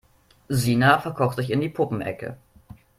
Sina verkroch sich in die Puppenecke.